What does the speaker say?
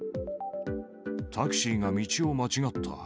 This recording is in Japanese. タクシーが道を間違った。